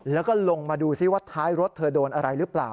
แล้วก็ลงมาดูซิว่าท้ายรถเธอโดนอะไรหรือเปล่า